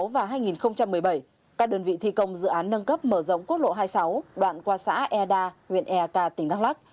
vào năm hai nghìn một mươi bảy các đơn vị thi công dự án nâng cấp mở rộng quốc lộ hai mươi sáu đoạn qua xã e đa huyện e k tỉnh đắk lắk